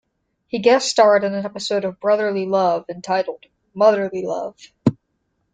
He guest starred on an episode of "Brotherly Love" entitled "Motherly Love".